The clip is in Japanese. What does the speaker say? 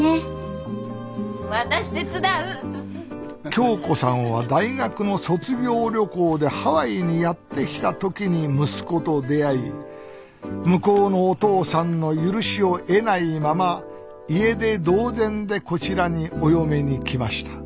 響子さんは大学の卒業旅行でハワイにやって来た時に息子と出会い向こうのお父さんの許しを得ないまま家出同然でこちらにお嫁に来ました。